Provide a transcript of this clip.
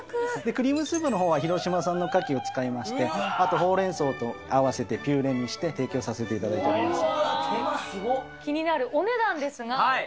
クリームスープのほうは、広島産のカキを使いまして、あとほうれんそうと合わせてピューレにして提供させていただいております。